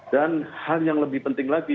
dan hal yang lebih penting lagi